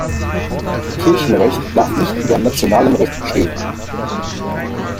Kirchenrecht darf nicht über nationalem Recht stehen.